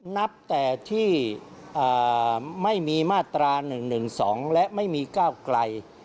นับแต่ที่ไม่มีมาตรา๑๑๒และไม่มีก้าวไกล